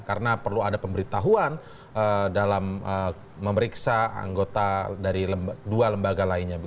karena perlu ada pemberitahuan dalam memeriksa anggota dari dua lembaga lainnya